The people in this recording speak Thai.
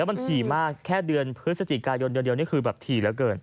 มันถี่มากแค่เดือนพฤศจิกายนเดียวนี่คือแบบถี่เหลือเกิน